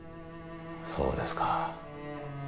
そうですか。